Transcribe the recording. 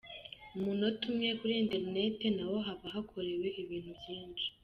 Mu munota umwe, kuri internet naho haba hakorewe ibintu byinshi.